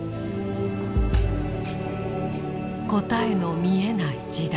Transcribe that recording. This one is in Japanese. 「答えの見えない時代。